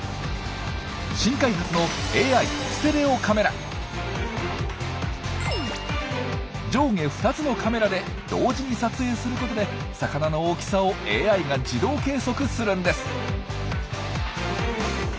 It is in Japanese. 新開発の上下２つのカメラで同時に撮影することで魚の大きさをＡＩが自動計測するんです。